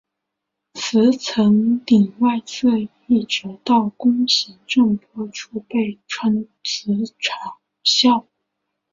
磁层顶外侧一直到弓形震波处被称磁层鞘。